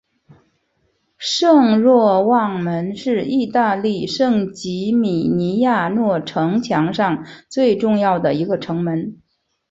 圣若望门是意大利圣吉米尼亚诺城墙上最重要的一个城门。